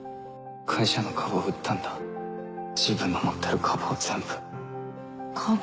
会社の株を売ったんだ自分の持ってる株を全部株？